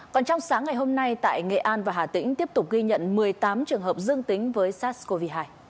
còn trong sáng ngày hôm nay tại nghệ an và hà tĩnh tiếp tục ghi nhận một mươi tám trường hợp dương tính với sars cov hai